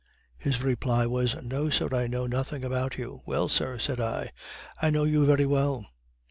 _" His reply was, "No sir, I know nothing about you." "Well sir," said I, "I know you very well."